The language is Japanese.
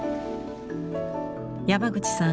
山口さん